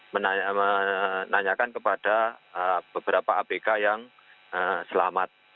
menanyakan kepada beberapa apk yang selamat